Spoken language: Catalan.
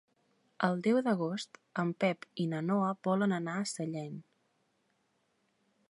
El deu d'agost en Pep i na Noa volen anar a Sellent.